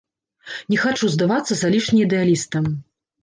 Не хачу здавацца залішне ідэалістам.